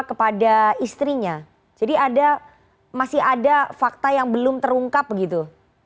kepada istrinya jadi masih ada fakta yang belum terungkap begitu